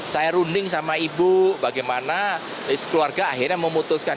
saya runding sama ibu bagaimana keluarga akhirnya memutuskan